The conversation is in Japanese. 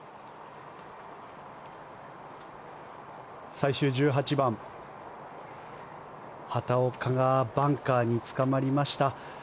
最終１８番、畑岡がバンカーにつかまりました。